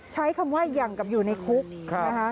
ใช้คำว่าอย่างกับอยู่ในคุกนะคะ